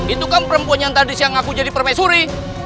itu kan perempuan yang tadi siang aku jadi permaisuri